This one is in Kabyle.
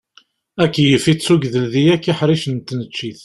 Akeyyef ittugdel di yakk iḥricen n tneččit.